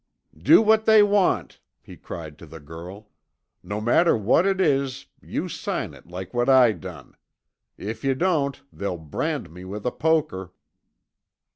"Do what they want," he cried to the girl. "No matter what it is, you sign it like what I done. If yuh don't they'll brand me with a poker."